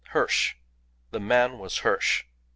Hirsch! The man was Hirsch!